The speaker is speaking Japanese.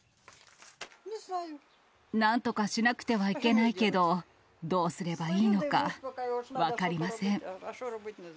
なんとかしなくてはいけないけど、どうすればいいのか分かりません。